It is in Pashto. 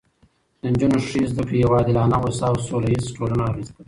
د نجونو ښې زده کړې یوه عادلانه، هوسا او سوله ییزه ټولنه رامنځته کوي